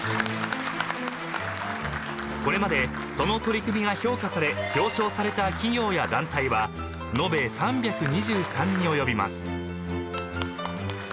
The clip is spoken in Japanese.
［これまでその取り組みが評価され表彰された企業や団体は延べ３２３に及びます］